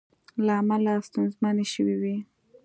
له امله ستونزمنې شوې وې